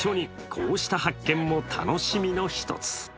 こうした発見も楽しみの１つ。